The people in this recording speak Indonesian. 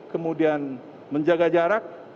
kemudian menjaga jarak